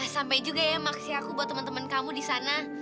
sampai juga ya makasih aku buat temen temen kamu di sana